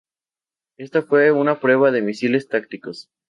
Esta fue una prueba de misiles tácticos.